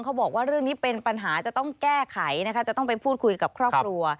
เขาบอกว่าเรื่องนี้เป็นปัญหาจะต้องแก้ไขนะคะจะต้องไปพูดคุยกับครอบครัว